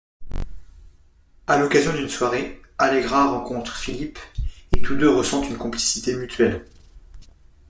À l'occasion d'une soirée, Allegra rencontre Philip et tous deux ressentent une complicité mutuelle.